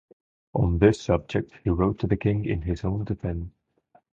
On this subject he wrote to the king in his own defence.